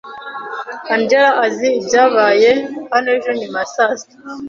Angella azi ibyabaye hano ejo nyuma ya saa sita.